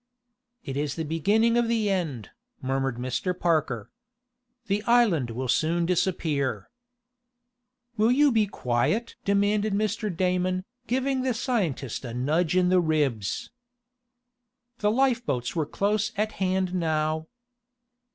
"It is the beginning of the end," murmured Mr. Parker. "The island will soon disappear." "Will you be quiet?" demanded Mr. Damon, giving the scientist a nudge in the ribs. The lifeboats were close at hand now.